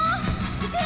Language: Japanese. いくよ！